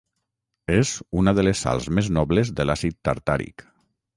És una de les sals més nobles de l'Àcid tartàric.